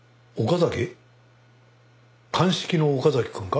鑑識の岡崎くんか？